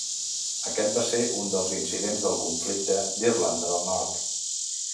Aquest va ser un dels incidents del conflicte d'Irlanda del Nord.